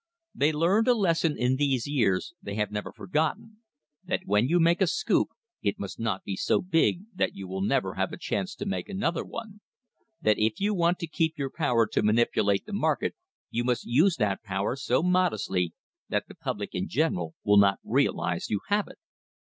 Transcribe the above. They learned a lesson in these years they have never forgotten that when you make a scoop it must not be so big that you will never have a chance to make another one ; that if you want to keep your power to manipu late the market you must use that power so modestly that the public in general will not realise you have it.